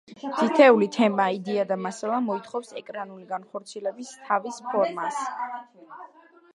თითოეული თემა, იდეა და მასალა, მოითხოვს ეკრანული განხორციელების თავის ფორმას.